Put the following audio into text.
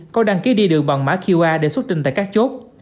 có đăng ký đi đường bằng mã qr để xuất trình tại các chốt